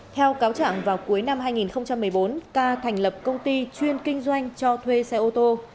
theo cáo trạng vào cuối năm hai nghìn một mươi bốn ca thành lập công ty chuyên kinh doanh cho thuê xe ô tô